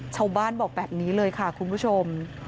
ชาวบ้านบอกแบบนี้เลยค่ะคุณผู้ชม